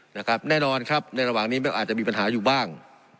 แน่นอนครับในระหว่างนี้มันอาจจะมีปัญหาอยู่บ้าง